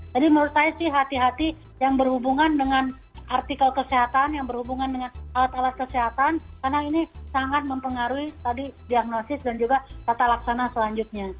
jadi menurut saya sih hati hati yang berhubungan dengan artikel kesehatan yang berhubungan dengan alat alat kesehatan karena ini sangat mempengaruhi tadi diagnosis dan juga tata laksana selanjutnya